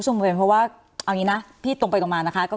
เพรบเพลงว่าเอาอันให้นะพี่ต้องไปได้มันว่าก็คือว่า